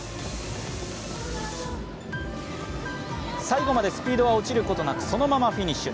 最後までスピードは落ちることなくそのままフィニッシュ。